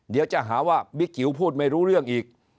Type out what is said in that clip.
เดี๋ยวจะหาว่าบิ๊กจิ๋วพูดไม่รู้เรื่องอีก